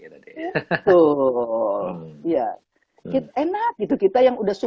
betul enak gitu kita yang sudah sukses